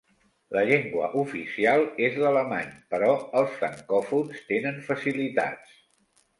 La llengua oficial és l'alemany, però els francòfons tenen facilitats.